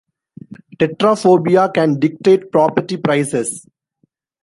Tetraphobia can dictate property prices.